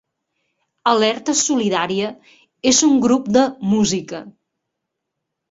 Alerta Solidària és un grup de música